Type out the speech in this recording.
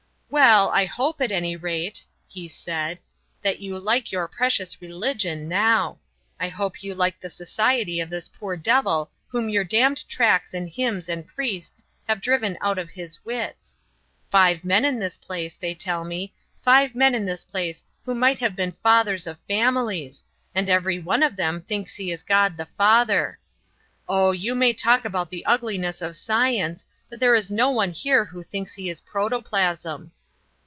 "Well, I hope, at any rate," he said, "that you like your precious religion now. I hope you like the society of this poor devil whom your damned tracts and hymns and priests have driven out of his wits. Five men in this place, they tell me, five men in this place who might have been fathers of families, and every one of them thinks he is God the Father. Oh! you may talk about the ugliness of science, but there is no one here who thinks he is Protoplasm."